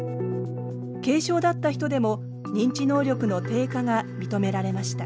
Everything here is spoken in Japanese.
軽症だった人でも認知能力の低下が認められました。